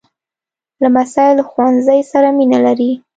لمسی له ښوونځي سره مینه لري.